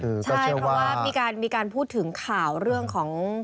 ใช่เพราะว่ามีการพูดถึงข่าวเรื่องของ